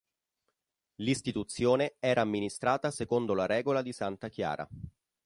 L'istituzione era amministrata secondo la Regola di Santa Chiara.